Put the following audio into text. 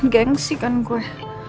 gengsih kan gue